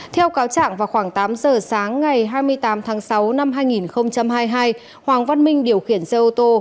theo cáo trạng vào khoảng tám giờ sáng ngày hai mươi tám tháng sáu năm hai nghìn hai mươi hai hoàng văn minh điều khiển xe ô tô